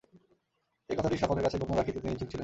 এ কথাটি সকলের কাছেই গোপন রাখিতে তিনি ইচ্ছুক ছিলেন।